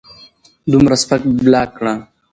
دومره سپک بلاک کړۀ